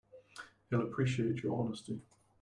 He'll appreciate your honesty.